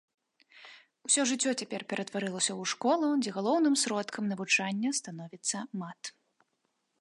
Усё жыццё цяпер ператварылася ў школу, дзе галоўным сродкам навучання становіцца мат.